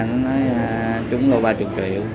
nó nói trúng lô ba mươi triệu